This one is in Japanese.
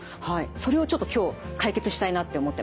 それをちょっと今日解決したいなって思ってます。